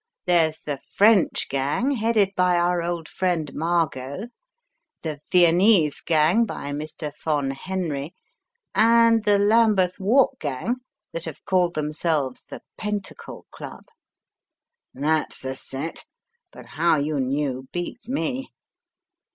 There's the French gang, headed by our old friend Margot; the Viennese gang, by Mr. Von Henri, and the Lambeth Walk gang that have called them selves the Pentacle Club — es me jreniacie v^iud " That's the set. But how you knew beats me!